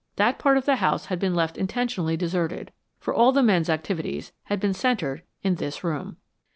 That part of the house had been left intentionally deserted, for all the men's activities had been centered in this room.